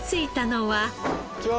こんにちは。